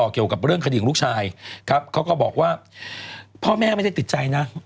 เค้าก็บอกว่าพ่อแม่ไม่ได้ติดใจนะ